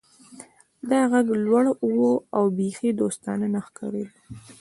دا غږ لوړ و او بیخي دوستانه نه ښکاریده